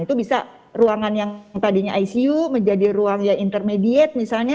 itu bisa ruangan yang tadinya icu menjadi ruang yang intermediate misalnya